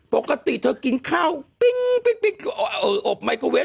บากกะติเธอกินข้าวปิ๊งปิ๊กปิ๊กเอาอบไมโครเวฟ